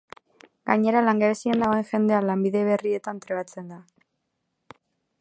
Gainera, langabezian dagoen jendea lanbide berrietan trebatzen da.